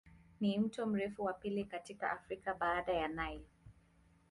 Ni mto mrefu wa pili katika Afrika baada ya Nile.